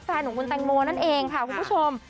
แฟนของคุณแตงโมนั่นเองค่ะคุณผู้ชม